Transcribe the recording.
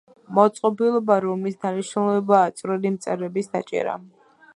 მოწყობილობა, რომლის დანიშნულებაა წვრილი მწერების დაჭერა.